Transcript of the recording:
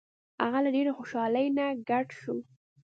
هغه له ډیرې خوشحالۍ نه ګډ شو.